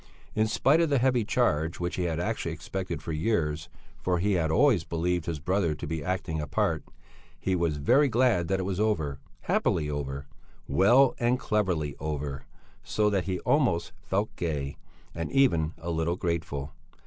In spite of the heavy charge which he had actually expected for years for he had always believed his brother to be acting a part he was very glad that it was over, happily over, well and cleverly over, so that he felt almost gay and even a little grateful.